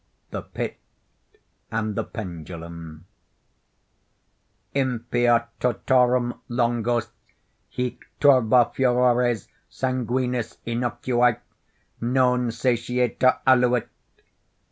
THE PIT AND THE PENDULUM Impia tortorum longos hic turba furores Sanguinis innocui, non satiata, aluit.